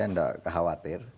saya tidak kekhawatir